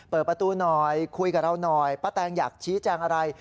เปิดประตูหน่อยคุยกับเราหน่อยป้าแตงอยากชี้แจงอะไร